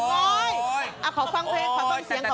อะขอฟังเพลงขอฟังเสียงขอฟังเสียง